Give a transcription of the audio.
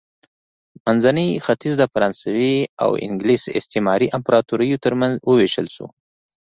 منځنی ختیځ د فرانسوي او انګلیس استعماري امپراتوریو ترمنځ ووېشل شو.